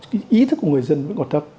cái ý thức của người dân vẫn còn thấp